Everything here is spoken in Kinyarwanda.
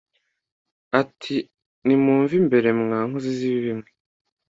ati : “Nimumve imbere, mwa nkozi z’ibibi mwe.”